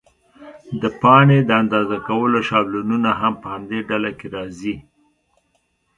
د پاڼې د اندازه کولو شابلونونه هم په همدې ډله کې راځي.